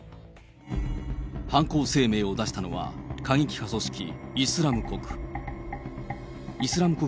犯行声明を出したのは、過激派組織イスラム国。